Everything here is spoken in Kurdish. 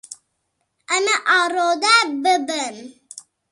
Em ê arode bibin.